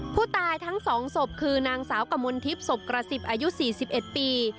ผู้ตายทั้ง๒ศพคือนางสาวกมลทิพย์ศพกระสิบอายุ๔๑ปี